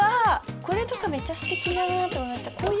これとかめっちゃすてきだなと思いました。